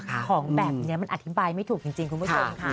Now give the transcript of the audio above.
ของแบบนี้มันอธิบายไม่ถูกจริงคุณผู้ชมค่ะ